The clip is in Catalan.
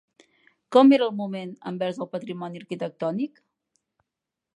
Com era el moment envers el patrimoni arquitectònic?